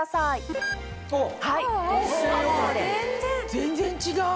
全然違う。